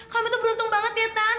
kami tuh beruntung banget ya tan